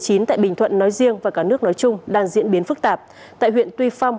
huyện tuy phong nói riêng và cả nước nói chung đang diễn biến phức tạp tại huyện tuy phong